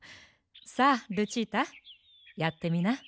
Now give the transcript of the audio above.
さあルチータやってみな。